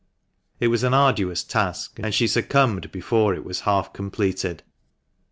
It was an arduous task, and she succumbed before it was half completed.